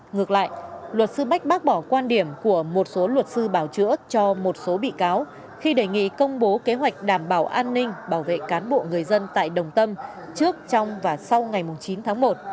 ngược lại luật sư bách bác bỏ quan điểm của một số luật sư bảo chữa cho một số bị cáo khi đề nghị công bố kế hoạch đảm bảo an ninh bảo vệ cán bộ người dân tại đồng tâm trước trong và sau ngày chín tháng một